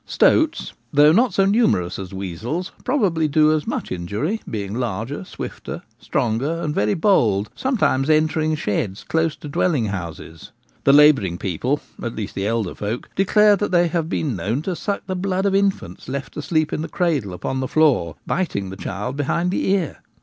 Stoats, though not so numerous as weasels, proba bly do quite as much injury, being larger, swifter, stronger, and very bold, sometimes entering sheds close to dwelling houses. The labouring people — at least, the elder folk — declare that they have been Stoats. 121 known to suck the blood of infants left asleep in the cradle upon the floor, biting the child behind the ear.